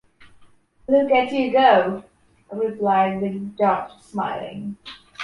“Look at you go!”, replied the judge, smiling.